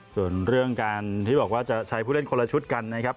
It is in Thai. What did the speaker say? ส่วนเรื่องการที่บอกว่าจะใช้ผู้เล่นคนละชุดกันนะครับ